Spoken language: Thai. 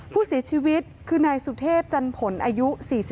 ผู้เสียชีวิตคือนายสุเทพจันผลอายุ๔๒